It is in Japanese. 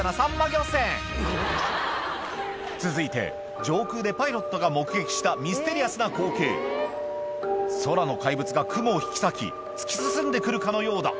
漁船続いて上空でパイロットが目撃したミステリアスな光景空の怪物が雲を引き裂き突き進んでくるかのようだ